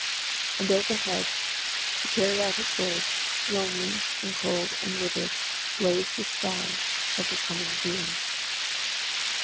And overhead, to carry out his words, lonely and cold and livid, blazed the star of the coming doom.